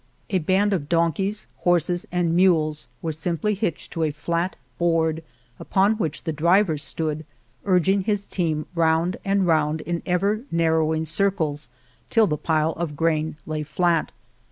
A band of donkeys, horses, and mules were simply hitched to a flat board upon which the driver stood urging his team round and On the Road to Argamasilla round in ever narrowing circles till the pile of grain lay flat.